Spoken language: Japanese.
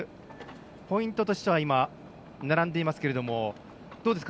ポイントとしては今、並んでいますけれどもどうですか？